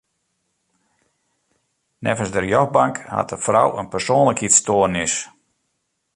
Neffens de rjochtbank hat de frou in persoanlikheidsstoarnis.